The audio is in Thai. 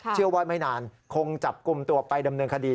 เชื่อว่าไม่นานคงจับกลุ่มตัวไปดำเนินคดี